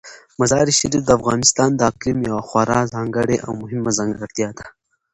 مزارشریف د افغانستان د اقلیم یوه خورا ځانګړې او مهمه ځانګړتیا ده.